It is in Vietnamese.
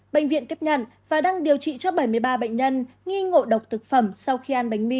bệnh viện tiếp nhận và đang điều trị cho bảy mươi ba bệnh nhân nghi ngộ độc thực phẩm sau khi ăn bánh mì